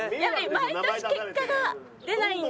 毎年結果が出ないので。